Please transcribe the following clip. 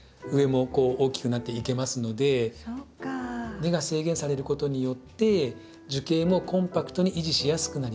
根が制限されることによって樹形もコンパクトに維持しやすくなります。